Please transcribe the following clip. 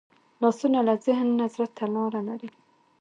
لاسونه له ذهن نه زړه ته لاره لري